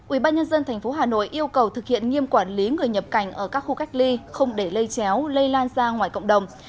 ubnd tp hà nội yêu cầu thực hiện nghiêm quản lý người nhập cảnh ở các khu cách ly không để lây chéo lây lan ra ngoài cộng đồng